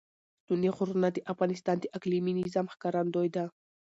ستوني غرونه د افغانستان د اقلیمي نظام ښکارندوی ده.